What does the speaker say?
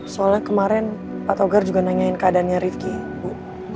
soalnya kemarin pak togar juga nanyain keadaannya rifki bu